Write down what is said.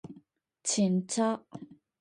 ちんちゃ？